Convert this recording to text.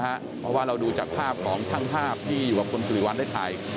เพราะว่าเราดูจากภาพของช่างภาพที่อยู่กับคุณสิริวัลได้ถ่าย